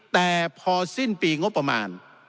แต่พอสิ้นปีงบประมาณ